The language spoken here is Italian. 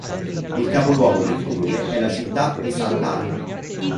Il capoluogo del comune è la città di Santa Ana.